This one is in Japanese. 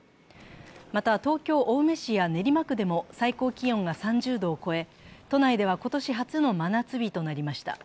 また、東京・青梅市や練馬区でも最高気温が３０度を超え、都内では今年初の真夏日となりました。